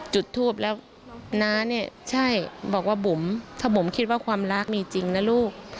จุดทูปแล้วน้าเนี่ยใช่บอกว่าบุ๋มถ้าบุ๋มคิดว่าความรักมีจริงนะลูก